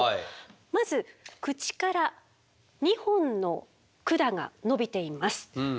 まず口から２本の管が伸びています。